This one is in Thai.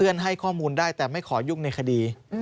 ให้ข้อมูลได้แต่ไม่ขอยุ่งในคดี